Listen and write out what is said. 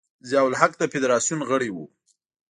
ضیا الحق د فدراسیون غړی و.